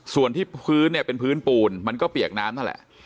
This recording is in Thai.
ส่วนที่พื้นเนี่ยเป็นพื้นปูนมันก็เปียกน้ำนั่นแหละ